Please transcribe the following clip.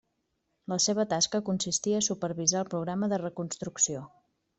La seva tasca consistia a supervisar el programa de reconstrucció.